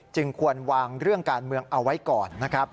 จึงควรวางเรื่องการเมืองเอาไว้ก่อน